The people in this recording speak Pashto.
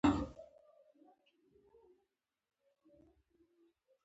نوی دفتر د کار لپاره مناسب ځای وي